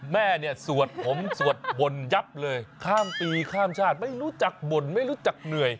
แม่เนี่ยสวดผมสวดบ่นยับเลยข้ามปีข้ามชาติไม่รู้จักบ่นไม่รู้จักเหนื่อย